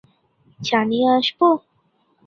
চা নিয়ে আসবো?